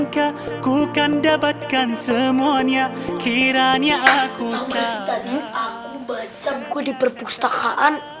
tahu gak sih tadi aku baca buku di perpustakaan